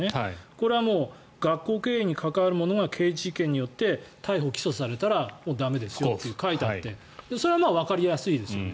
これはもう学校経営に関わる者が刑事事件によって逮捕・起訴されたらもう駄目ですよって書いてあってそれはわかりやすいですよね。